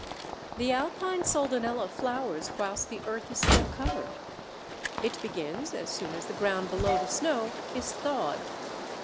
The Alpine Soldanella flowers whilst the earth is still covered. It begins as soon as the ground below the snow is thawed.